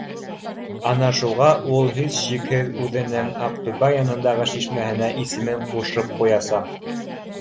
Ана шуға ул һис шикһеҙ үҙенең Аҡтүбә янындағы шишмәһенә исемен ҡушып ҡуясаҡ